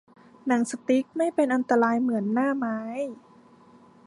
หนังสติ๊กไม่เป็นอันตรายเหมือนหน้าไม้